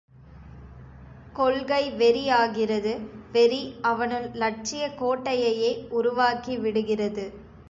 கொள்கை வெறியாகிறது வெறி அவனுள் இலட்சியக் கோட்டையையே உருவாக்கி விடுகின்றது.